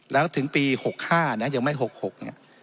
แล้วถึงปี๖๕นะยังไม่๖๖เนี่ย